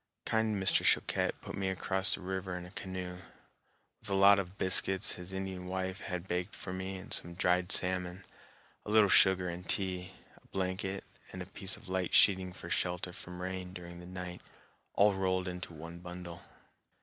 Kind Mr. Choquette put me across the river in a canoe, with a lot of biscuits his Indian wife had baked for me and some dried salmon, a little sugar and tea, a blanket, and a piece of light sheeting for shelter from rain during the night, all rolled into one bundle.